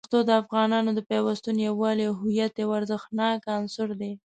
پښتو د افغانانو د پیوستون، یووالي، او هویت یو ارزښتناک عنصر دی.